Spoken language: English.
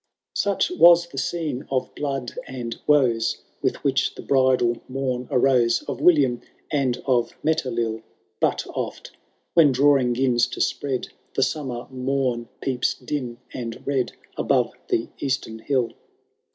XIX. Such wa« the scene of blood and woes. With which the bridal mom arose Of William and of MeteUU ; But oft, when dawning *gins to spread. The summer mom peeps dimimd red Above the eastem hill.